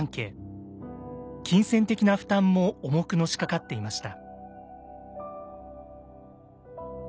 金銭的な負担も重くのしかかっていました。